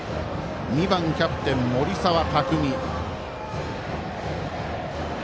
２番、キャプテン、森澤拓海。